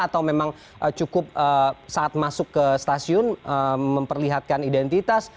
atau memang cukup saat masuk ke stasiun memperlihatkan identitas